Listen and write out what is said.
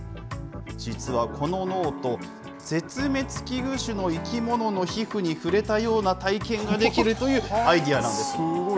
実はこのノート、絶滅危惧種の生き物の皮膚に触れたような体験ができるというアイデアなんです。